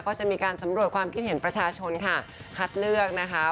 ก็จะมีการสำรวจความคิดเห็นประชาชนค่ะคัดเลือกนะคะ